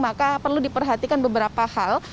maka perlu diperhatikan beberapa hal